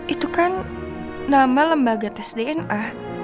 itu kan nama lembaga tes dna